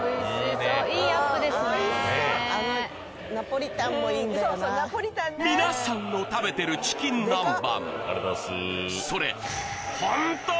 そうそうナポリタンねみなさんの食べてるチキン南蛮